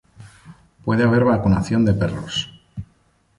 Puede haber vacunación de perros.